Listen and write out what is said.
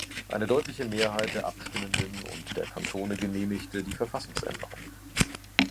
Eine deutliche Mehrheit der Abstimmenden und der Kantone genehmigte die Verfassungsänderung.